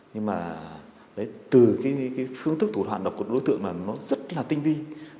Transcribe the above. nhưng mà từ cái phương thức thủ đoạn đọc của đối tượng mà nó rất là tinh vi